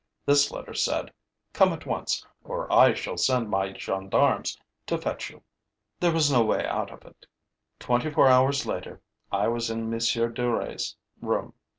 This letter said: 'Come at once, or I shall send my gendarmes to fetch you.' There was no way out of it. Twenty four hours later, I was in M. Duruy's room.